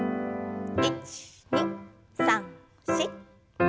１２３４。